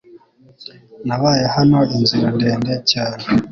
Nabaye hano inzira ndende cyane .